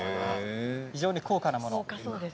非常に高価なもの。